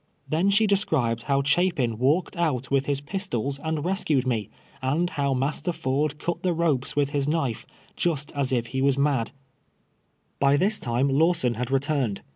Tlien she described how Cha pin walked out with his pistols and rescued me, and how Master Ford cut the ropes with his knife, just as if lie was mad. LAWSOIs's EIDE. 123 By this time Lawson liad returned.